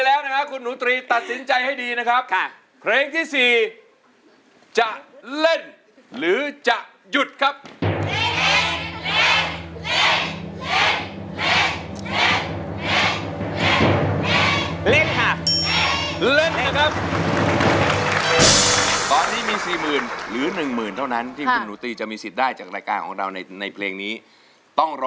๖แผ่นป้ายใช้ได้๓แผ่นป้ายตลอดทั้งการแข่งขัน